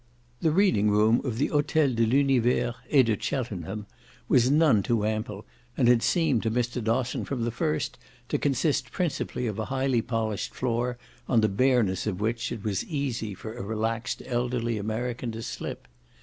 The reading room of the Hotel de l'Univers et de Cheltenham was none too ample, and had seemed to Mr. Dosson from the first to consist principally of a highly polished floor on the bareness of which it was easy for a relaxed elderly American to slip.